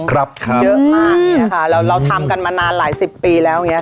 ครับครับเยอะมากเนี้ยค่ะแล้วเราทำกันมานานหลายสิบปีแล้วเนี้ยค่ะ